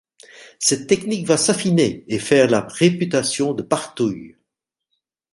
Cette technique va s’affiner et faire la réputation de Barthouil.